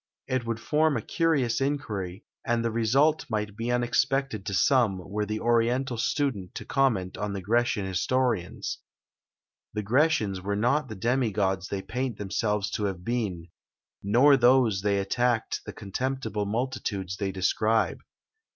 It would form a curious inquiry, and the result might be unexpected to some, were the Oriental student to comment on the Grecian historians. The Grecians were not the demi gods they paint themselves to have been, nor those they attacked the contemptible multitudes they describe.